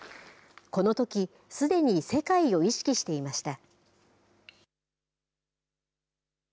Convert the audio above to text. このとき、すでに世界を意識していました。